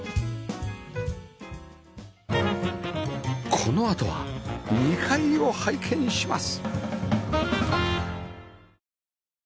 このあとは２階を拝見します